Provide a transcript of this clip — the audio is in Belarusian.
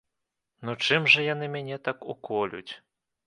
Ну чым жа яны мяне так уколюць?